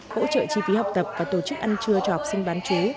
hỗ trợ chi phí học tập và tổ chức ăn trưa cho học sinh bán chú